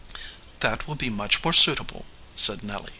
"That will be much more suitable," said Nelly.